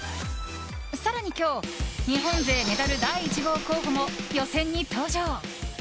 更に今日日本勢メダル第１号候補も予選に登場。